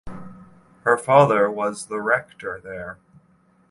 Her father was the Rector there.